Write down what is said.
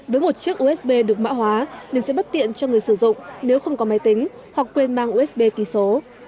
với một chiếc usb được mã hóa nên sẽ bất tiện cho người sử dụng nếu không có máy tính hoặc quên mang usb ký số